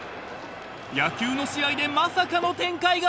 ［野球の試合でまさかの展開が］